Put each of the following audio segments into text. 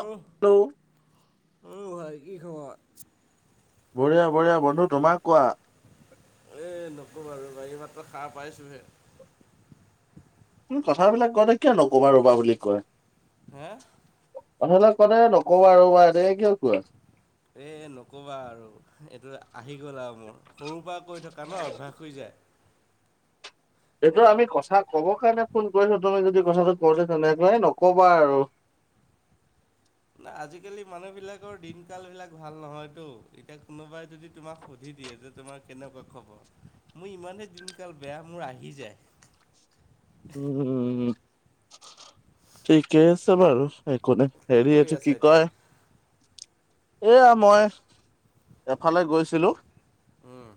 উমহ' hello অ ভাই কি খবৰ? বঢ়িয়া বঢ়িয়া বন্ধু, তোমাক কোৱা? এ নকবা আৰু এই মাত্ৰ সাৰ পাইছোহে। তুমি কথাবিলাক কওতে কিয় নকবা ৰবা বুলি কয়? হা? কথা এটা কওঁতে নকবা ৰবা এনেকে কিয় কোৱা? এ নকবা আৰু এইটো আহি গ'ল আৰু- মোৰ, সৰুৰ পৰা কৈ থকা ন' অভ্যাস হৈ যায়। এইটো আমি কথা ক'ব কাৰণে ফোন কৰিছো, তুমি যদি কথাটো কওঁতে তেনেকে নকবা আৰু। না আজিকালি মানুহ বিলাকৰ দিন কাল বিলাক ভাল নহয়তো, এতিয়া কোনোবাই যদি তোমাক সুধি দিয়ে যে তোমাৰ কেনেকুৱা খবৰ, মোৰ ইমানেই দিনকাল বেয়া মোৰ আহি যায়। উমঁ' ঠিকে আছে বাৰু। একো নাই, কি সেৰি কৰি এইটো আছা কি এতিয়া কয়- এয়া মই এফালে গৈছিলোঁ। উম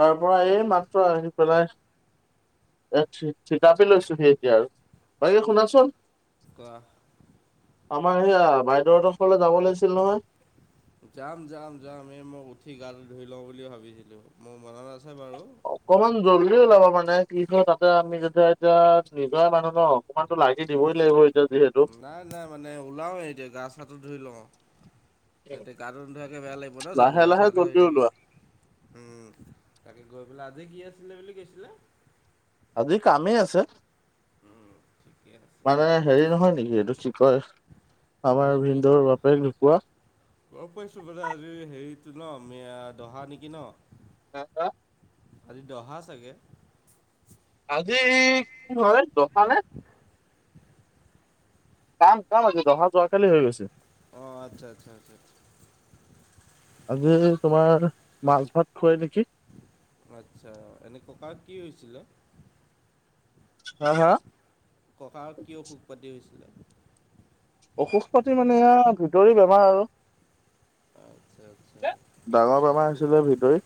তাৰ পৰা এই মাত্ৰ আহি পেলাই- থিতাপি লৈছোহি এতিয়া আৰু বাকী শুনাচোন কোৱা? আমাৰ সেয়া বাইদেউহঁতৰ ঘৰলৈ যাব লাগিছিল নহয়। যাম যাম যাম, এই মই উঠি গাটো ধুই লওঁ বুলি ভাবিছিলোঁ, মোৰ মনত আছে বাৰু। অকমান জল্দি ওলাব মানে কি ক তাতে আমি যেতিয়া এতিয়া নিজৰে মানুহ ন। অকমানটো লাগি দিবই লাগিব। এতিয়া যিহেতু- নাই নাই মানে ওলাওৱে এতিয়া গা-চাটো ধুই লওঁ। এতিয়া গাটো ৰোধোৱাকে বেয়া লাগিব ন' লাহে যাবলৈ, লাহে আঠা আঠা হৈ জল্দি থাকে। ওলোৱা উমঁ' তাকে গৈ পেলাই, আজি কি আছিলে বুলি কৈছিলে? আজি কামেই আছে। ঠিকে আছে। মানে বাৰু। সেৰি নহয় নেকি এইটো কি কয়- আমাৰ আজি মি ভিন্দৰ বাপেক ঢুকোৱা। গম পাইছোঁ মানে আজি সেৰিটো ন' মা দহা নেকি ন'? [unintelligible] আজি দহা চাগে। আজি কি হয় [unintelligible] কাম কাম আজি, দহা যোৱাকালি হৈ গৈছে। অঁ' আচ্ছা-আচ্ছা-আচ্ছা', আজি ঠিক তোমাৰ মাছ ভাত খুৱাই নেকি। আচ্ছা' এনেই ককা কি হৈছিলে? হা হা? ককাৰ কি অসুখ পাতি হৈছিলে? অসুখ পাতি মানে ভিতৰি বেমাৰ আৰু। আচ্ছা-আচ্ছা',। ডাঙৰ বেমাৰ আছিলে ভিতৰি।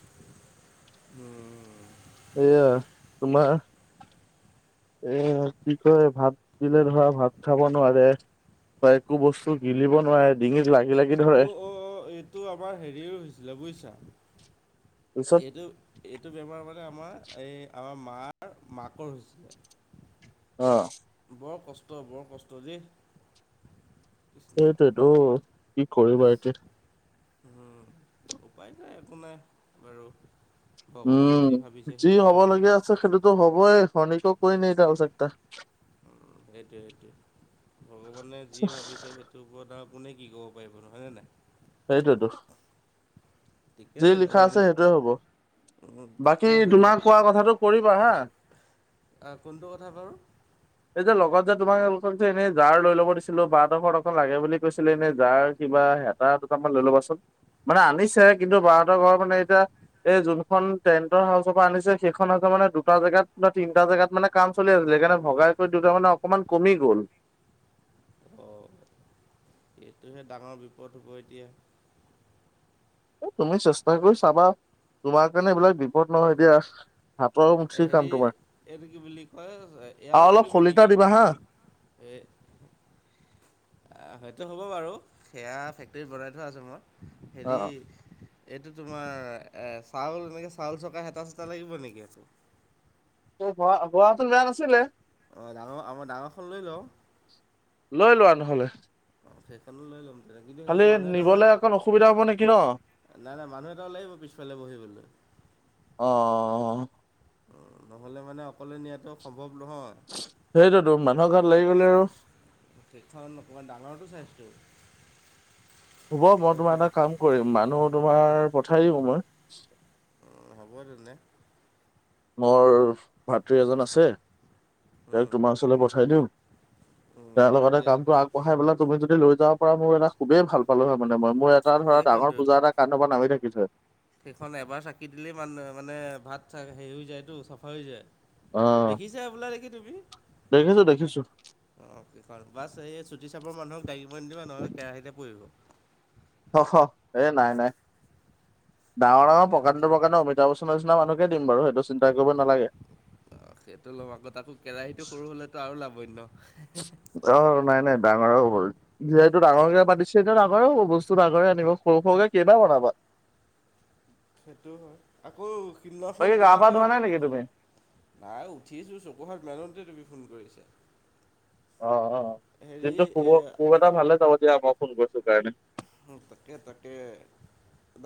অঁ। এয়া, তোমাৰ? এ কি কয় ভাত দিলে ধৰা ভাত খাব নোৱাৰে। তাই একো বস্তু গিলিব নোৱাৰে, ডিঙিত লাগি লাগি ধৰে অঁ অঁ অঁ, এইটো আমাৰ সেৰিও হৈছিলে বুজিছা, তাৰপিছত এইটো- এইটো বেমাৰ মানে আমাৰ এই আমাৰ মাৰ মাকৰ হৈছিলে। অ বৰ কষ্ট বৰ কষ্ট দেই, কৃষ্ণ এইটোএটো কি কৰিবা এতিয়া। উম ওপায় নাই একো নাই বাৰু ভগৱান যি উম ভাবিছে যি সেইটোৱে হ'ব। লগীয়া সেইটোতো হবই হনীকক কৈ নাহি দালচাকটা, সেইটোৱে সেইটোৱে ভগৱানে যি ভাবিছে সেই, ত এইটো ওপৰত আৰু আপুনি কি ক'ব পাৰিব হয় নে নাই। এইটোৱে টো। ঠিকে যি বাৰু লিখা আমি আছে সেইটোৱে হব তাকে বাকী আছে মই তোমাক কোৱা কথাটো কৰিবা হা। এ কোনটো কথা বাৰু এই যে লগত যে তোমাকোকক যে এনেই জাৰ লৈ ল'ব দিছিলো বডোখৰত অক লাগে বুলি কৈছিলো এনেই জাৰ, কিবা হেতা দুটামান লৈ ল'বাচোন মানে আনিছে কিন্তু বাৰঁতৰ ঘৰৰ মানে এতিয়া। এই যোনখন টেন্টৰ হাউচৰ পৰা আনিছে সেইখনছে মানে দুটা জেগাত বা তিনিটা জেগাত মানে। কাম চলি আছিলে সেইকাৰণে ভগাই কৰি দিওঁতে মানে অকণমান কমি গ'ল। অ এইটোহে ডাঙৰ বিপদ হ'ব এতিয়া। তুমি চেষ্টা কৰি চাবা তোমাৰ কাৰণে এইবিলাক বিপদ নহয় দিয়া। হাতৰ মুঠিৰ কাম হেৰি তোমাৰ এইটো কি বুলি কয় আৰু এয়াও অলপ লাগিব শলিতা নেকি দিবা হা এই হয়তো হ'ব বাৰু সেয়া ফেক্টৰীত বনাই থোৱা আছে মোৰ অ হেৰি, এইটো তোমাৰ চাউল এনেকৈ চাউল চকা হেতা চেতা লাগিব নেকি এইটো, ত বৰা বৰাটো বেয়া নাছিলে। অ ডাঙৰ আমাৰ ডাঙৰখন লৈ লওঁ। লৈ লোৱা নহলে। সেইখনত লৈ ল'ম। তেতিয়া কিন্তু খালি সেইখন মানুহ এটাও নিবলৈ লাগে অকণ অসুবিধা হ'ব নেকি ন। নাই নাই মানুহ এটা লৈ আহিব পিছফালে বহিবলে। অ অ অঁ নহ'লে মানে অকলে নিয়াটো সম্ভৱ নহয়। সেইটোতো মানুহৰ ঘৰত লাগি গলে আৰু কেকখনত অকমান ডাঙৰটো চাইছিলো। হব মই তোমাৰ এটা কাম কৰিম মানুহ তোমাৰ পঠাই দিব মই। অ হ'ব তেনে। মোৰ ভাতৃ এজন আছে তাক উম, তোমাৰ ওচৰলৈ পঠাই দিওঁ। উম, তেওৰ লগতে ঠিকে কামটো আগ পঢাই বোলে তুমি যদি লৈ যাব পৰা মোৰ এটা খুবেই ভাল পালোে মানে মই মোৰ এটা ধৰা ডাঙৰ সেইখনটো পূজা এটা, কান পা নামি থাকিল হয়। সেইখন এবাৰ চাকি দিলেই মানু মানে ভাত চ হেৰি হৈ যায়টো চাফা হৈ যায়। অ দেখিছাই হবলা নেকি তুমি। দেখিছো দেখিছো অঁ কিখন বাছ এই চুটি চাবৰ মানুহক দাঙিব নিদিবা নহ'লে কেৰাহীতে পৰিব। অ হ এ নাই নাই, ডাঙৰ ডাঙৰ ঠিকে আছে প্ৰকাটো প্ৰকাৰণে অমিতাভ বচ্চনৰ নিচিনা মানুহকে দিম বাৰু সেইটো চিন্তা কৰিব নালাগে। অ সেইটো লম আগত আকৌ কেৰাহীটো সৰু হলেতো আৰু লাভ হয় ন। অ নাই নাই ডাঙৰাও হ'ল। যিহেতু ডাঙৰকে পাতিছে এয়া ডাঙৰে বস্তু ডাঙৰে আনিব সৰু সৰুকে কেইবা বনাবা। [inaudible] সেইটো হয় আকৌ সেইদিনাখন বাকী গা তোমাৰ পা ক ধোৱা নাই নেকি তুমি নাই উঠিছোঁ চকুহাত মেলোতে তুমি ফোন কৰিছা। অ অ হেৰি দিনটো শুব এ খুব এটা ভালে যাব দিয়া মই ফোন কৰিছো কাৰণে। তাকে তাকে।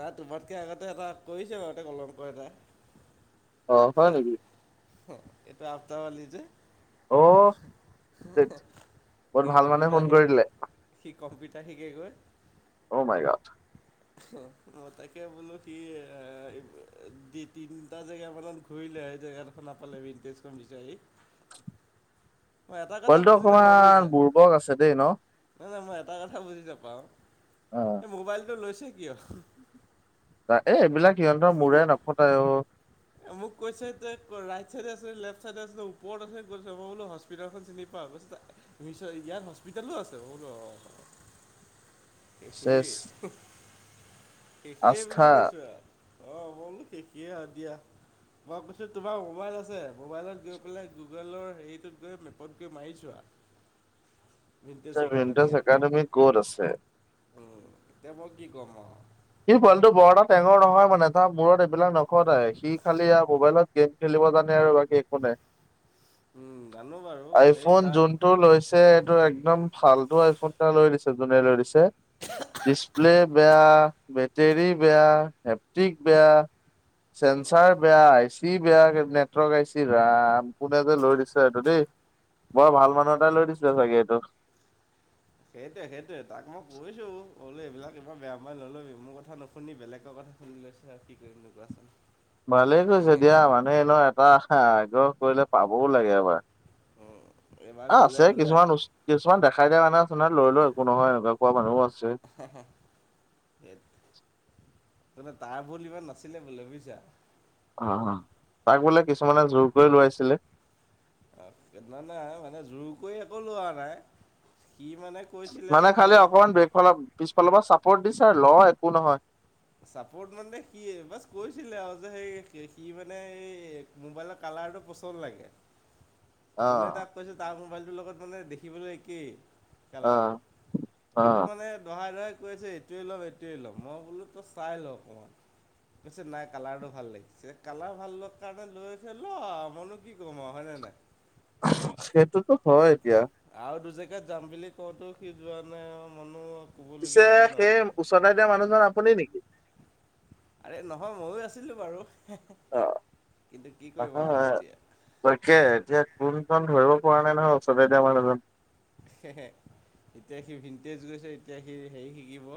নাই তোমাতকে আগতে এটা কৰিছ বাৰুতে কলংক এটাই। অ হয় নেকি? এইটো আফতাবালি যে - অ সি ধেৎ, কম্পিউটাৰ বহুত শ ভাল মানুহে ফোন সি কৰি দিলে কম্পিউটাৰ শিকেগৈ - অ মাই গট। হে ম‌ই তাকে বোলো সি তিনিটা জেগা মানত ঘূৰিলে সেই জেগা দখ- নাপাল মিতদেচখন বিচাৰি - মই এটা কথা পোৱালিটো বুজি নাপাওঁ অকমান বুজিছা বুৰ্বক আছে দেই ন - নাই নাই মই এটা কথা বুজি নাপাওঁ, এই মোবাইলটো লৈছে কিয়? ত এ এইবিলাক সিহঁতৰ মোৰে নখটায় অ। মোক কৈছে তে ৰাইট চাইডে আছে নে, লেফট ছাইডে আছে নে, ওপৰত আছে নে কত আছে? মই বোলো হস্পিটেলখন চিনি পাওঁ কৈছো তাক - তুমি চোৱা ইয়াত হস্পিতেলো আছে, মই বোলো অ- [inaudible] চেচ শেষেই, শেষেই আস্থা বুলি কৈছো আও। অঁ, মই বুলো শেষেই আও দিয়া। মই কৈছোঁ তোমাৰ মোবাইল আছে মোবাইলত গৈ পেলাই গুগলৰ হেৰিটোত গৈ মেপত গৈ মাৰিছো - চাৰ ভিউনন্টেচ একাডেমি কত আছে? ওম, এতিয়া মই কি ক'ম আও! সি পোৱালিটো বৰ এটা টেঙৰ নহয় মানে তাৰ মূৰত এইবিলাক নখটাই সি খালি আও মোবাইলত - গেম খেলিব জানে আৰু বাকী একো নাই। উম জানো বাৰু এই তাৰ - টো লৈছে এইটো একদম ফালতো আইফোন এটা লৈ দিছে যোনে লৈ দিছে। ডিছপ্লে বেয়া, বেটেৰী বেয়া, হেপটিক বেয়া, চেন্ঞ্চাৰ বেয়া, আইছি- টি বেয়া, নেটৱৰ্কৰ আইছি ৰাম কোনে যে লৈ দিছে এইটো দেই - বৰ ভাল মানুহ এটাই লৈ দিছে চাগে এইটো। সেইটোৱে সেইটোৱে তাক মই কৈছোঁ বুলো এইবিলাক ইমান বেয়া ম'বাইল নল'বি, মোৰ কথা নুশুনি বেলেগৰ কথা - শুনি লৈছে আও কি কৰিবি নো কোৱাচোন! ভালেই কৈছে দিয়া মানুহে এনে এটা আগ্ৰহ কৰিলে পাবও লাগে এবাৰ। উম, এইবাৰ এ গ'লে আছে বোলে কিছুমান উচ কিছুমান দেখাই দিয়া মানুহ আছে নহয় লৈল একো নহয় এনেকুৱা কোৱা মানুহও আছে। হে হে মানে তাৰ ভুল ইমান নাছিলে বোলে বুইছা! হা হাত তাক বোলে কিছুমানে জোৰ কৰি লোৱাইছিলে? অ, নাই নাই মানে জোৰ কৰি একো লোৱা নাই, কি মানে - মানে খালি অকমান ব্ৰেকফালৰ পিছফালৰ পৰা চাপৰ্ট দিছে ল একো নহয়। চাপৰ্ট মানে সি বচ কৈছিলে আৰু যে সেই সি মানে এই - মোবাইলৰ কালাৰটো পচণ্ড লাগে। [inaudible] যোনে তাক কৈছ তাৰ মোবাইলটোৰ লগত মানে দেখিবলে একেই - অ কালাৰটো, অ সেইটো মানে দহাই দহাই কৈ আছে এইটোৱেই ল'ম এইটোৱে ল'ম মই বোলো - তো চাই লওঁ অকণমান। পিছে নাই কালাৰটো ভাল লাগি কালাৰ ভালোৱাৰ কাৰণে লৈছে ল মইনো কি ক'ম আৰু হয় ননে নাই সেইটোতো হয় এতিয়া আৰু দু জেগাত যাম বুলি কওঁতো সি যোৱা নাই মনো কবলগীয়া এক নোৱাৰো চদাই দিয়াানুহজন আপুনি নেকি আৰে নহয় ময়ো আছিলো বাৰু অ', কিন্তু কি কৰিবা আৰু এতিয়া তইাকে এতিয়া কোনজন ধৰিব পৰা নাই নহয় ওচৰতে এতিয়া মানুহজন এতিয়া সি ভিণ্টেজ গৈছে এতিয়া সি হেৰি শিকিব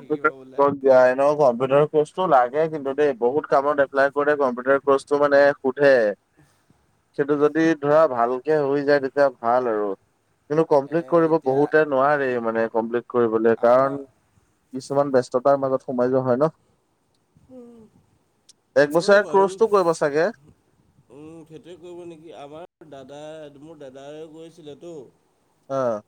শিকিব বোলে। কত দ ন কম্পিউটাৰ কৰ্চটো লাগে কিন্তু দ বহুত কামত এপ্লাই কৰি কম্পিউটাৰ কৰ্চটো মানে সুধে সেইটো যদি ধৰা। ভালে হৈ যায় তেতিয়া ভাল আৰু কিন্তু এ কমপ্লিট কৰিব এতিয়া বহুতে। নোৱাৰে মানে কমপ্লিট কৰিবলৈ কাৰণ আমাৰ কিছুমান ব্যস্ততাৰ মাজত সোমাই যোৱা হয় ন। উম এক হয় বছৰীয়া বাৰু। কৰ্চটো কৰিব চাগে? উম সেইটোৱে কৰিব নেকি আমাৰ দাদাই মোৰ দাদাই গৈছিল তো। অ।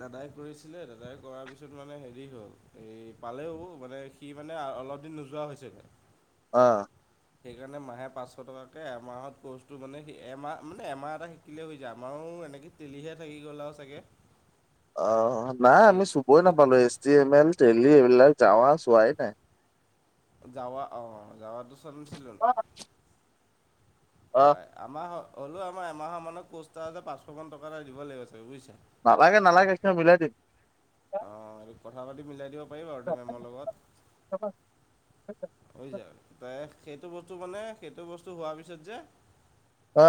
দাদাই কৰিছিলে দাদাই কৰাৰ পিছত মানে হেৰি হ'ল এই পালেও মানে। এ মানেই অলপ দিন নোযোৱা হৈছিলে। অ সেইকাৰণে মাহে পাঁচশ টকাকৈ এমাহত ক'ৰ্চটো মানে এমাহ মানে এমাহ এটা শিক। [unintelligible] আমাৰো এনেকৈ তেলিহে থাকি গ'ল আৰু চাগে। [inaudible] অ নাই আমি তেল চুবই তে নাপালো এছটি এম এল টেলি এইবিলাক যাৱা চোৱাই নাই। যাৱা অঁ যাৱাটোওচৰত নাছিলোক। অ হয় আমাহ হ'লেও আমাৰ এমাহৰ মানত ক'ষ্টাৰতে পাঁচশ মান টকা এটা দিব লাগিব চাগে বুজিছে। নালাগে নালাগে সেইখিনি মিলাই দিম। অঁ এইটো কথা পাতি মিলাই দিব পাৰিম আৰু তে মেমৰ লগত। হৈ যায় ত সেইটো বস্তু মানে সেইটো বস্তু হোৱাৰ পিছত যে।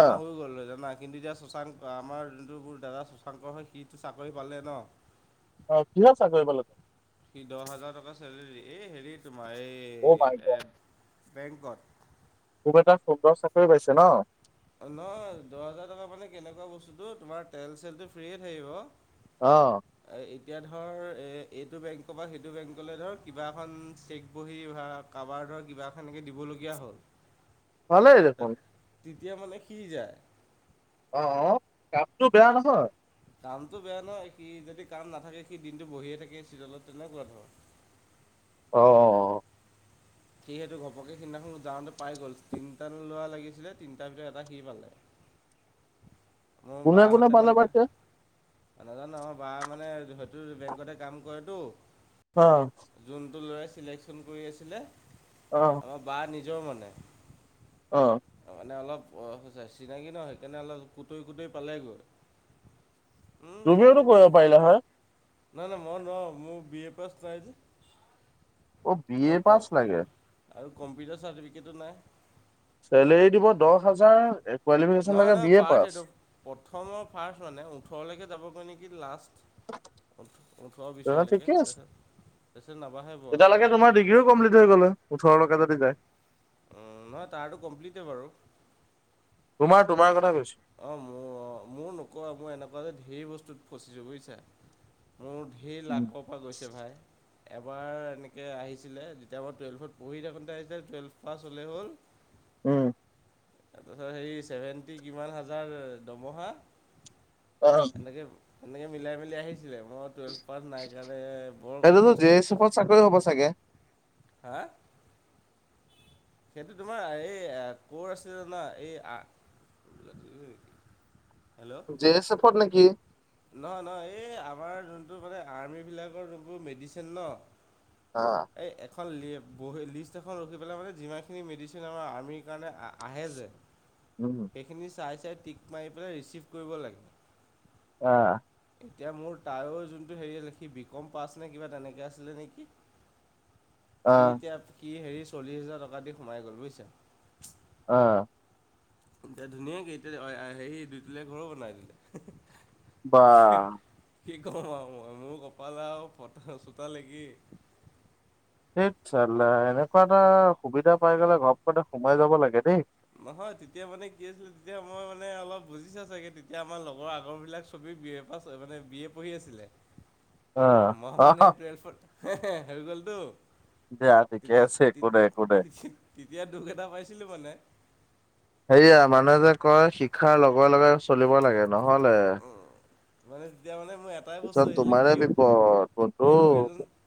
আমাৰ হৈ গ'ল জানা। কিন্তু এতিয়া শশাংক আমাৰ যোনটো মোৰ দাদা শুশাংকৰ হয় সিটো চাকৰি পালে ন। অ কিহৰ চাকৰি পালে। দহ হাজাৰ টকা চেলেৰী এই হেৰি তোমাৰ অ মাই গড এই বেংকত। খোব এটা সুন্দৰ চাকৰি পাইছে ন। নহয় দহ হোজাৰ টকা মানে কেনেকুৱা বস্তুটো তোমাৰ তেল চেলটো ফ্ৰে থাকিব। অ এতিয়া ধৰ এইটো বেংকৰ পৰা সেইটো বেংকলৈ ধৰ কিবা এখন চেক বহি বা কাৰোবাৰ ধৰ কিবা এনেকৈ দিবলগীয়া হ'ল। ভালেই দেখোন। তেতিয়া মানে সি যায়। অ অ কামটো বেয়া নহয়। কামটো বেয়া নহয় সি যদি কাম নাথাকে সি দিনটো বহিয়ে থাকে [unintelligible] তেনেকুৱা ধৰ। অ অ' সিহেটো ঘপককে সেইদিনাখন যাওঁতে পাই গ'ল তিনিটান লোৱা লাগিছিলে তিনিটাৰ ভিতৰত এটা সি পালে। মোৰ কোনে কোনে বাহঁতে পালে মানে কৈছে [unintelligible] নাজানো আমাৰ বা মানে হেইতো বেংকতে কাম কৰেতো। অ যোনটো ল'ৰাই চিলেকশ্যন কৰি আছিলে। অ আ বা নিজৰ মানে। অঁ তামানে অলপ বয়স হৈছে চিনাকি ন সেইকাৰণে অলপ কুটই কুটই পালেগৈ। উম তুমিওতো কৰিব পাৰিলা হয় নাই নাই মই নোৱাও মোৰ বি এ পাছ নাই যে। অ বি এ আৰু ক পাছ লাগে আৰু কম্পিউটাৰ চাৰ্টিফিকেটো নাই। চেলেৰী দিব দছ হাজাৰ এ কোৱালিফিকেশ্যন নহয় লাগে নহয় বি ফাৰ্ষ্ট পাছ এইটো প্ৰথম আৰু ফাৰ্ষ্ট মানে ওঠৰলৈকে যাবগৈ নেকি লাষ্ট। ওঠ ওঠৰ তেনে বিছলৈকে ঠিকে আছে তাৰছত তাছত নাবাঢ়ে ব তেতিয়ালৈকে চাগে [unintelligible] কমপ্লিট হৈ গ'ল হয় ওঠৰলৈকে যদি যায়। উম নহয় তাৰতো কমপ্লিটেই বাৰু তোমাৰ তোমাৰ কথা কৈছো অ মোৰ অ মোৰ নোকোৱা মোৰ এনেকুৱা যে ঢেৰ বস্তুত ফচিছো বুইছা মোৰ ঢেৰ লাকপ পা গৈছে ভাই এবাৰ এনেকে আহিছিলে যেতিয়া মই টুৱেলভত পঢ়ি থাকোঁতে আহিছে টুৱেলভ পাছ হলে হ'ল উম তাৰপাছত হেৰি চেভেণ্টি কিমান হাজাৰ দমহা এনেকে এনেকে মিলাই মেলি আহিছিলে মই টুৱেলভ পাছ নাই কাৰণে বৰ এইটোতো জে এছ কষ্টত এফত চাকৰি হ'ব চাগে হা সেইটো তোমাৰ এই কৰ আছিলে জানা এই আ হেল্ল' জে এ চেফত নেকি নহয় নহয় এই আমাৰ যোনটো মানে আৰ্মী বিলাকৰ যোনটো মেডিচিন ন অ এই এখন লি বহি লিষ্ট এখন ৰখি পেলাই মানে যিমানখিনি মেডিচিন আমাৰ আৰ্মিৰ কাৰণে আ আহে যে উম সেইখিনি চাই চাই টিক মাৰি পেলাই ৰিচিভ কৰিব লাগে আ এতিয়া মোৰ তাৰো যোনটো হেৰি আছিলে সি বি কম পাছ নে কিবা তেনেকে আছিলে নেকি [inaudible] সি এতিয়া সি হেৰি চল্লিছ হেজাৰ টকা দি সোমাই গ'ল বুইছা অ এতিয়া ধুনীয়াকে এতিয়া হেৰি দুইটলীয়া ঘৰো বনাই দিলে বা কি কম আৰু মই মোৰ কপাল আৰু ফটা চোতাল নেকি সেইত চাল্লা এনেকুৱা এটা সুবিধা পাই গলে ঘপকেনে সোমাই যাব লাগে দেই নহয় তেতিয়া মানে কি আছিল তেতিয়া মই মানে অলপ বুজিছা চাগে তেতিয়া আমাৰ লগৰ আগৰ বিলাক চবে বি এ পাচ মানে বি এ পঢ়ি আছিলে [inaudible] মই মানে অ', টুৱেলফত হে হে হৈ গ'লতো দিয়া ঠিকে তেতি আছে একো তিত্ নাই একো নাই। তেতিহ্ তেতিয়া দুখ এটা পাইছিলো মানে হেয়া, মানুহে যে কয়, শিকাৰ লগে লগে চলিব লাগে নহলে মানে তেতিয়া মানে মোৰ এটাই বস্তু পিছত আহিছিলে কি তোমাৰে বিপত এই মোক বন্ধু। এজন